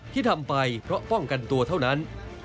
ที่ทำไปเพราะป้องกันตัวเท่านั้น